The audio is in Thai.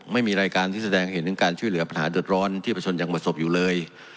ไม่มีรายการที่แสดงเห็นถึงการช่วยเหลือปัญหาเดือดร้อนที่ประชนยังประสบอยู่เลย